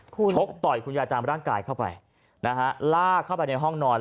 คุณชกต่อยคุณยายตามร่างกายเข้าไปนะฮะลากเข้าไปในห้องนอน